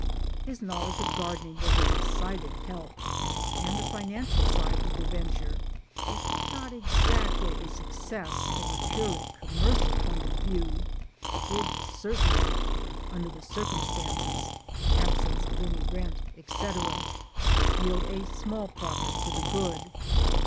His knowledge of gardening was a decided help, and the financial side of the venture if not exactly a success from the purely commercial point of view did certainly under the circumstances (absence of any rent, etc.) yield a small profit to the good.